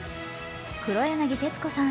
黒柳徹子さん